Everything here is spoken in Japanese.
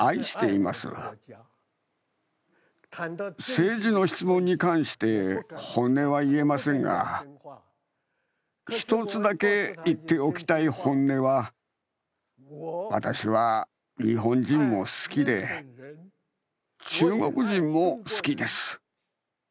政治の質問に関して本音は言えませんが、１つだけ言っておきたい本音は、私は日本人も好きで、中国人も好きです。